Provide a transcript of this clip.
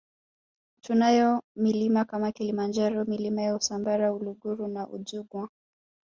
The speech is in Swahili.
Tunayo milima kama Kilimanjaro Milima ya Usambara Uluguru na Udzungwa